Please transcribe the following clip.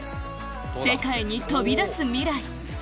世界に飛び出す未来